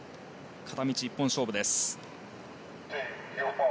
片道１本勝負です。